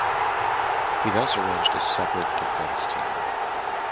He thus arranged a separate defence team.